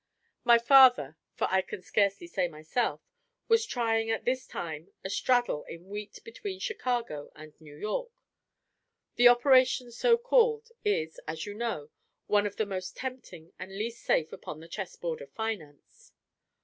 My father (for I can scarcely say myself) was trying at this time a "straddle" in wheat between Chicago and New York; the operation so called is, as you know, one of the most tempting and least safe upon the chess board of finance.